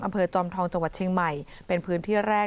จอมทองจังหวัดเชียงใหม่เป็นพื้นที่แรก